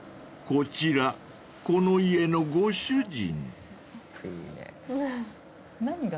［こちらこの家のご主人］